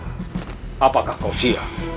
apakah kau siap